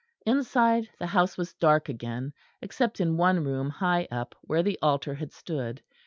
Inside the house was dark again except in one room high up where the altar had stood.